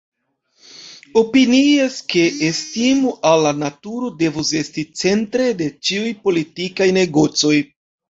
Opinias, ke estimo al la naturo devus esti centre de ĉiuj politikaj negocoj.